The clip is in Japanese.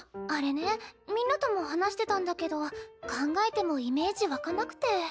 あれねみんなとも話してたんだけど考えてもイメージ湧かなくて。